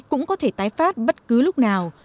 cũng có thể tái phát bất cứ lúc nào